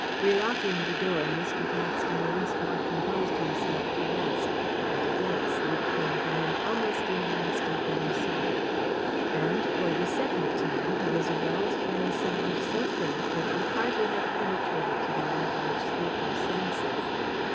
Re locking the door, Mr. Paxton once more composed himself to rest, and again sleep came to him almost in the instant that he sought it. And for the second time he was aroused by a sound so faint that it would hardly have penetrated to the average sleeper's senses.